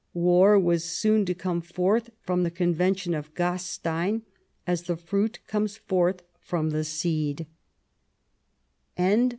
War was soon to come forth from the Convention of Ga stein as the fruit comes forth from the seed.